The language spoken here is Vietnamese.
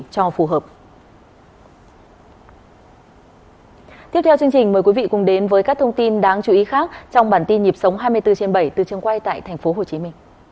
xin mời quý vị cùng đến với các thông tin đáng chú ý khác trong bản tin nhịp sống hai mươi bốn trên bảy từ trường quay tại tp hcm